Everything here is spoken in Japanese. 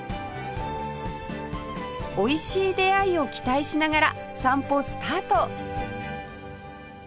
美味しい出会いを期待しながら散歩スタート